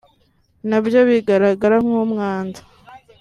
… na byo bigaragara nk’umwanda)